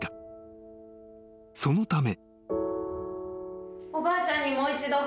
［そのため］